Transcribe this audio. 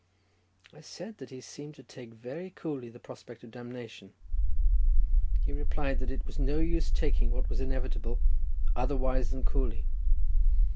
I said that he seemed to take very coolly the prospect of damnation; he replied that it was of no use taking what was inevitable otherwise than coolly.